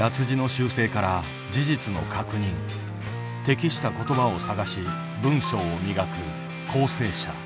適した言葉を探し文章を磨く校正者。